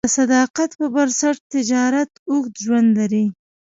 د صداقت پر بنسټ تجارت اوږد ژوند لري.